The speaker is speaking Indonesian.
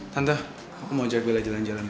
tante aku mau ajak bella jalan jalan